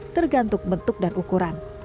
tergantung bentuk dan ukuran